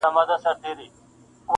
• د جهان سترګي یې نه ویني ړندې دي -